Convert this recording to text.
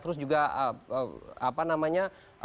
terus juga apa namanya